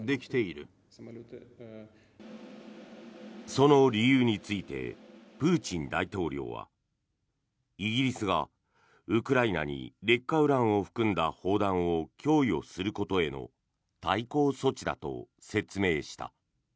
その理由についてプーチン大統領はイギリスがウクライナに劣化ウランを含んだ砲弾を供与することへの対抗措置だと説明した。